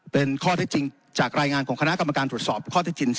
เป็นข้อเท็จจริงจากรายงานของคณะกรรมการตรวจสอบข้อที่จริง